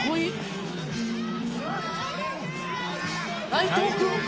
内藤君！？